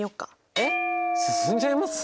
えっ進んじゃいます？